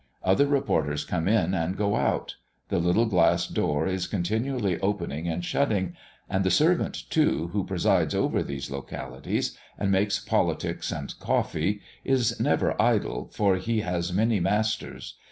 Other reporters come in and go out; the little glass door is continually opening and shutting; and the servant, too, who presides over these localities, and makes politics and coffee, is never idle, for he has many masters.